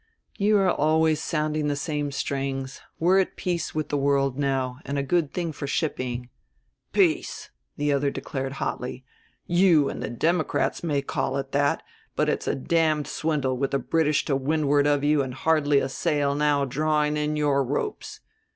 "You are always sounding the same strings; we're at peace with the world now, and a good thing for shipping." "Peace!" the elder declared hotly; "you and the Democrats may call it that, but it's a damned swindle, with the British to windward of you and hardly a sail now drawing in your ropes.